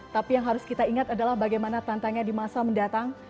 tapi yang harus kita ingat adalah bagaimana tantangan di masa mendatang